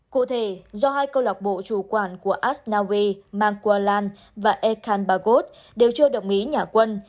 cụ thể do hai cơ lọc bộ chủ quản của asnawi mangkulam và ekambagot đều chưa đồng ý nhà quân